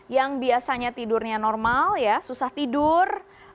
yang biasanya tidurnya normal ya susah tidur